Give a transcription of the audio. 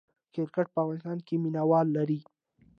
کرکټ په افغانستان کې مینه وال لري